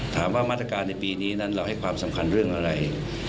ถามว่ามาตรการในปีนี้นั้นเราให้ความสำคัญเรื่องอะไร